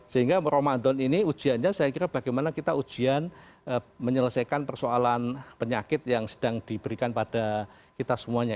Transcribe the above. sehingga ramadan ini ujiannya saya kira bagaimana kita ujian menyelesaikan persoalan penyakit yang sedang diberikan pada kita semuanya